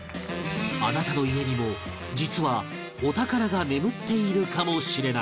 あなたの家にも実はお宝が眠っているかもしれない